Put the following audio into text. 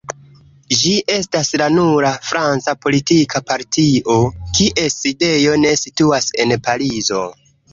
Ĝi estas la nura franca politika partio, kies sidejo ne situas en Parizo.